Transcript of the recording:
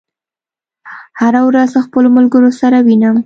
هره ورځ خپلو ملګرو سره وینم